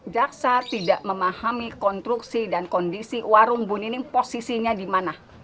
jaksa tidak memahami konstruksi dan kondisi warung bu nining posisinya di mana